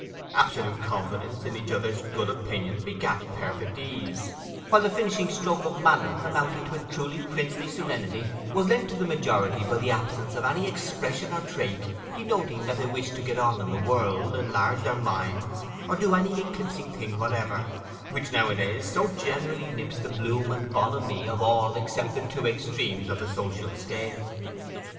Absolute confidence in each other's good opinion begat perfect ease, while the finishing stroke of manner, amounting to a truly princely serenity, was lent to the majority by the absence of any expression or trait denoting that they wished to get on in the world, enlarge their minds, or do any eclipsing thing whatever—which nowadays so generally nips the bloom and bonhomie of all except the two extremes of the social scale.